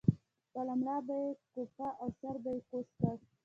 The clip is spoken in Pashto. خپله ملا به یې کوپه او سر به یې کوز کړ.